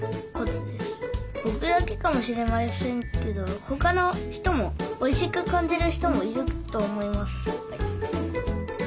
僕だけかもしれませんけど他の人もおいしく感じる人もいると思います。